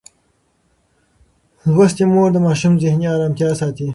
لوستې مور د ماشوم ذهني ارامتیا ساتي.